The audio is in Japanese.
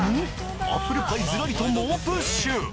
アップルパイずらりと猛プッシュ！